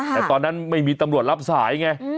แต่ตอนนั้นไม่มีตำรวจรับสายไง